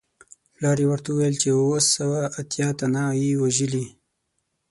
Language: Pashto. پلار یې ورته وویل چې اووه سوه اتیا تنه یې وژلي.